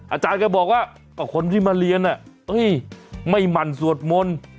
อาจารย์ก็บอกว่าก็คนที่มาเรียนไม่หมั่นสวดมนต์